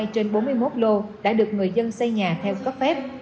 ba mươi hai trên bốn mươi một lô đã được người dân xây nhà theo cấp phép